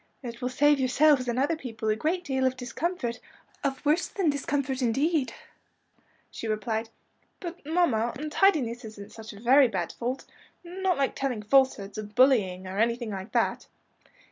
"And it will save yourselves and other people a great deal of discomfort, of worse than discomfort, indeed," she replied. "But, mamma, untidiness isn't such a very bad fault not like telling falsehoods, or bullying, or anything like that?"